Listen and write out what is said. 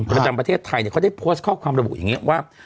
ประจำประเทศไทยเนี่ยเขาได้โพสต์ข้อความระบุอย่างนี้ว่า